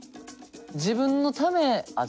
自分のためあっ